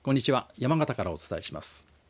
山形からお伝えします。